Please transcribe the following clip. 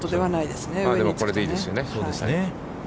でもこれでいいですよね。